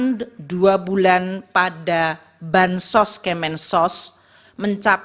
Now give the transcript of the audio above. proses penataan kembali kerjasama antara kemensos dan perbankan